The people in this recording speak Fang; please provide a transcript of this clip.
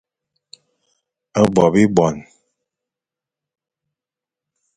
A Bo bibuane.